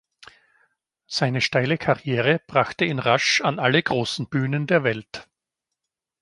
Seine steile Karriere brachte ihn rasch an alle großen Bühnen der Welt.